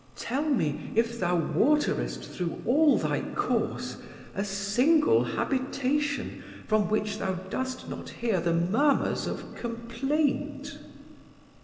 Tell me if thou waterest through all thy course a single habitation from which thou dost not hear the murmurs of complaint."